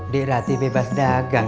dik ratih bebas dagang